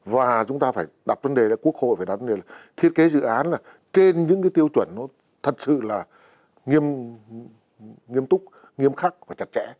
và chúng ta phải đặt vấn đề quốc hội phải đặt vấn đề là thiết kế dự án là trên những cái tiêu chuẩn nó thật sự là nghiêm túc nghiêm khắc và chặt chẽ